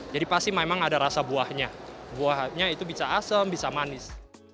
jadi pasti memang ada rasa buahnya buahnya itu bisa asem bisa manis